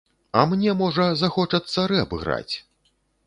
А мне, можа, захочацца рэп граць!